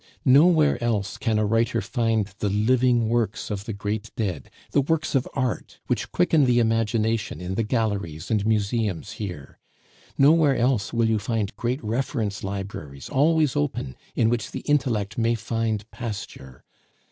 Nowhere else can a writer find the living works of the great dead, the works of art which quicken the imagination in the galleries and museums here; nowhere else will you find great reference libraries always open in which the intellect may find pasture.